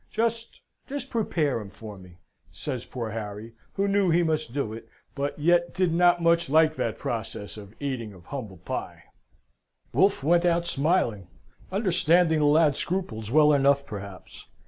Just just prepare him for me!" says poor Harry, who knew he must do it, but yet did not much like that process of eating of humble pie. Wolfe went out smiling understanding the lad's scruples well enough, perhaps.